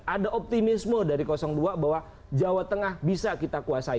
ada optimisme dari dua bahwa jawa tengah bisa kita kuasai